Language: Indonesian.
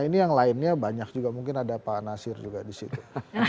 ini yang lainnya banyak juga mungkin ada pak nasir juga di situ